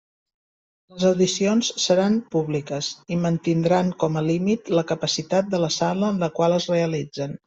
Les audicions seran públiques, i mantindran com a límit la capacitat de la sala en la qual es realitzen.